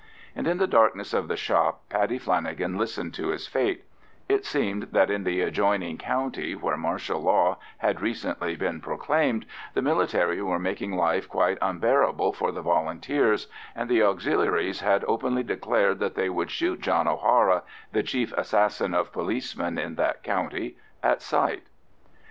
And in the darkness of the shop Paddy Flanagan listened to his fate: it seemed that in the adjoining county, where martial law had recently been proclaimed, the military were making life quite unbearable for the Volunteers, and the Auxiliaries had openly declared that they would shoot John O'Hara—the chief assassin of policemen in that county—at sight.